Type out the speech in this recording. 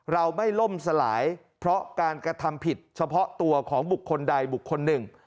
เราไม่ล่มสลายเพราะการกระทำผิดเฉพาะตัวของบุคคลใดบุคคลหนึ่ง